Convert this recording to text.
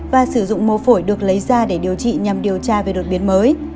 và sử dụng mô phổi được lấy ra để điều trị nhằm điều tra về đột biến mới